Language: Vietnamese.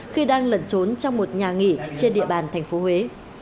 khi đang lẩn trốn trong một nhà nghỉ trên địa bàn thành phố huế